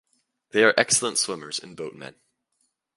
They are excellent swimmers and boatmen.